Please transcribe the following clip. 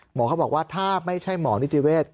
เขาบอกว่าถ้าไม่ใช่หมอนิติเวศ